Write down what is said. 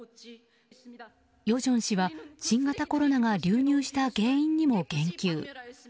与正氏は、新型コロナが流入した原因にも言及。